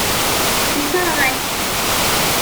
Yessṛeɣ-ak-tt.